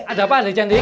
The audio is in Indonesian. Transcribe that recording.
ada apa nih cantik